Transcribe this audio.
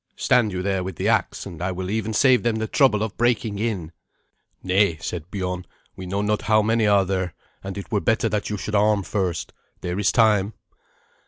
Stand you there with the axe, and I will even save them the trouble of breaking in." "Nay," said Biorn; "we know not how many are there, and it were better that you should arm first. There is time."